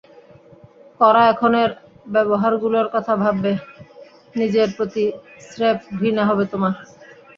করা এখনের ব্যবহারগুলোর কথা ভাববে,, নিজের প্রতি স্রেফ ঘৃণা হবে তোমার।